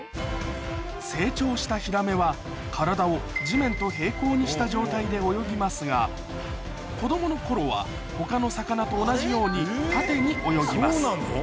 成長したヒラメは体を地面と平行にした状態で泳ぎますが子供の頃は他の魚と同じように縦に泳ぎます